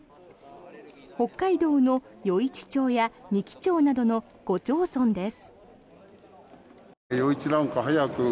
北海道の余市町や仁木町などの５町村です。